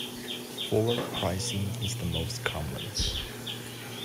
Forward pricing is the most common.